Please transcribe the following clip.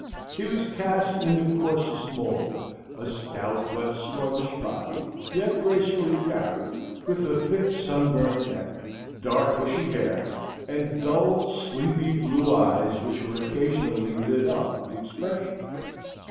He was cast in the coarsest mould; a stout but sluggish body, yet gracefully carried, with a thick sunburnt neck, dark bushy hair, and dull sleepy blue eyes, which were occasionally lit up with expression.